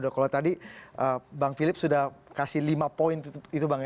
kalau tadi bang philip sudah kasih lima poin itu bang